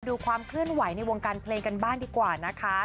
ดูความเคลื่อนไหวในวงการเพลงกันบ้างดีกว่านะคะ